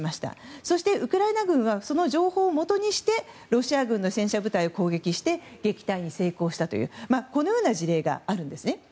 そして、ウクライナ軍はその情報をもとにしてロシア軍の戦車部隊を攻撃して撃退に成功したという事例があるんですね。